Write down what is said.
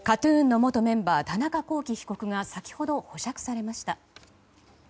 ＫＡＴ‐ＴＵＮの元メンバー田中聖被告が先ほど保釈されました。